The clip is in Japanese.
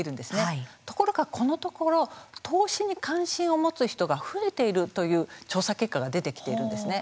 ところが、このところ投資に関心を持つ人が増えているという調査結果が出てきているんですね。